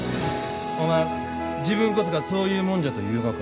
おまん自分こそがそういう者じゃと言うがか？